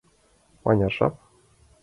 — Мыняр жап?